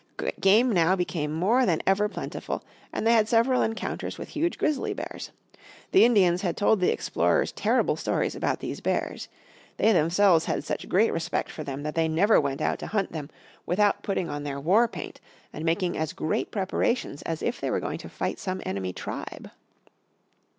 Game now became more than ever plentiful, and they had several encounters with huge grizzly bears. The Indians had told the explorers terrible stories about these bears. They themselves had such great respect for them that they never went out to hunt them without putting on their war paint, and making as great preparations as if they were going to fight some enemy tribe.